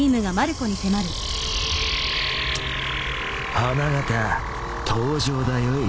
花形登場だよい。